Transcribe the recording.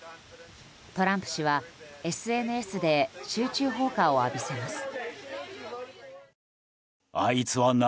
トランプ氏はＳＮＳで集中砲火を浴びせます。